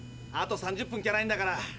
あと３０分しかないんだから。